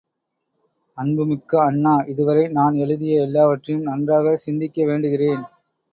அன்புமிக்க அண்ணா, இதுவரை நான் எழுதிய எல்லாவற்றையும் நன்றாகச் சிந்திக்க வேண்டுகிறேன்.